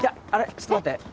ちょっと待って。